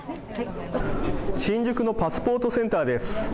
新宿のパスポートセンターです。